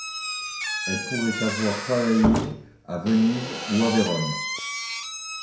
Elle pourrait avoir travaillé à Venise ou à Vérone.